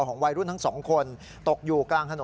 วัยรุ่นทั้งสองคนตกอยู่กลางถนน